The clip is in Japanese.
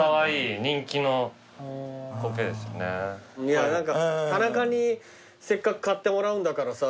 いや何か田中にせっかく買ってもらうんだからさ。